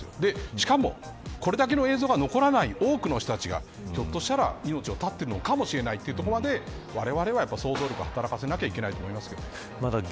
しかもこれだけの映像が残らない多くの人たちがひょっとしたら命を絶っているのかもしれないというところまでわれわれは想像力を働かせないといけない思います。